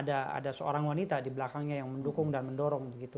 ada seorang wanita di belakangnya yang mendukung dan mendorong begitu